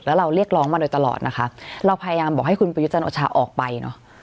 แล้วเราเรียกร้องมาโดยตลอดนะคะเราพยายามบอกให้คุณประยุจันทร์โอชาออกไปเนอะ